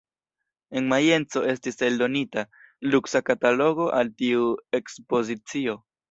En Majenco estis eldonita luksa katalogo al tiu ekspozicio.